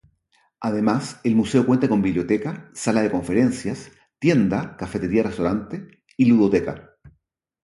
Además el museo cuenta con biblioteca, sala de conferencias, tienda, cafetería-restaurante y ludoteca.